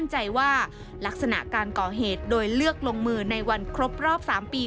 ว่าลักษณะการก่อเหตุโดยเลือกลงมือในวันครบรอบ๓ปี